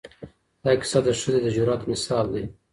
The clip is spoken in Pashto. دا کیسه د ښځې د جرأت مثال دی.